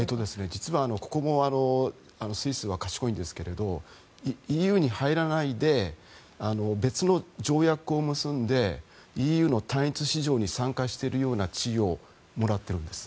実はここもスイスは賢いんですけれどＥＵに入らないで別の条約を結んでＥＵの単一市場に参加しているような地位をもらってるんです。